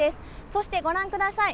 そしてご覧ください。